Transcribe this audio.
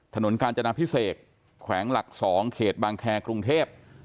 ถนนกาญจนาพิเศษแขวงหลัก๒เขตบางแครกรุงเทพ